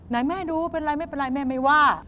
ไหนแม่ดูเป็นไรไม่เป็นไรแม่ไม่ว่า